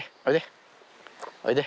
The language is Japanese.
おいで。